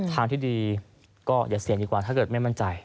ทางที่ดีก็อย่าเสี่ยงดีกว่าถ้าเกิดไม่มั่นใจ